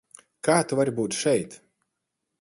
Kā tu vari būt šeit?